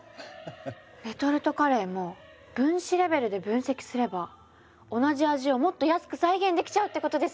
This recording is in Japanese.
レトルトカレーも分子レベルで分析すれば同じ味をもっと安く再現できちゃうってことですよね？